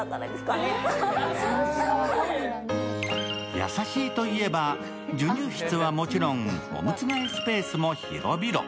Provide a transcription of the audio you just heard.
優しいといえば、授乳室はもちろんおむつ替えスペースも広々。